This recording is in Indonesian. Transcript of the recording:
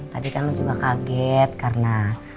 tadi kan juga kaget karena